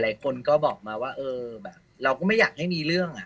หลายคนก็บอกมาว่าเออแบบเราก็ไม่อยากให้มีเรื่องอ่ะ